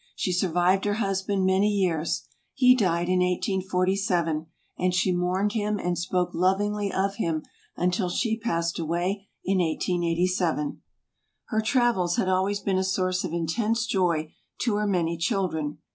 She survived her husband many years; he died in 1847 and she mourned him and spoke lovingly of him until she passed away in 1887. Her travels had always been a source of intense joy to her many children.